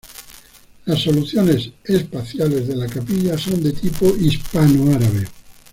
Las soluciones espaciales de la capilla son de tipo hispano-árabe.